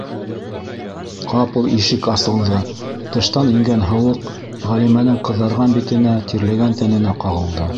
Ҡапыл ишек асылды, тыштан ингән һыуыҡ Ғәлимәнең ҡыҙарған битенә, тирләгән тәненә ҡағылды: